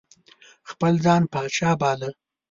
خپل ځان پاچا باله.